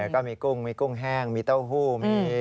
ก็มีกุ้งแห้งมีเต้าหู้